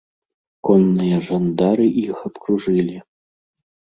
Конныя жандары іх абкружылі.